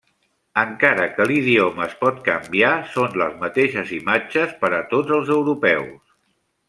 Encara que l'idioma es pot canviar, són les mateixes imatges per a tots els europeus.